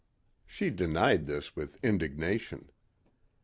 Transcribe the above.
She denied this with indignation.